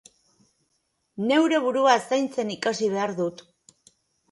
Neure burua zaintzen ikasi behar dut.